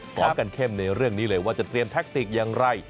พร้อมกันเข้มในเรื่องนี้เลยว่าจะเตรียมแท็กติกอย่างไร